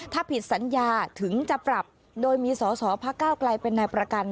ถ้าผิดสัญญาถึงจะปรับโดยมีสอสอพักก้าวไกลเป็นนายประกัน